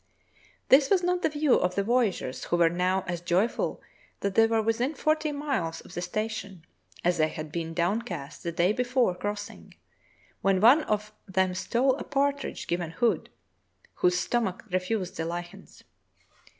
This was not the view of the voyageurs, who were now as joyful that they were within forty miles of the station as they had been downcast the day before crossing, when one of them stole a partridge given Hood, whose stomach refused the lichens.